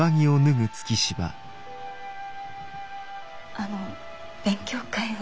あの勉強会は。